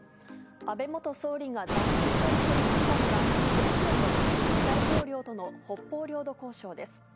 安倍元総理が在任中に取り組んだのが、ロシアのプーチン大統領との北方領土交渉です。